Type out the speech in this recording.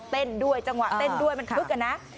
เต้นด้วยจังหวะเต้นด้วยมันคึกอะนะ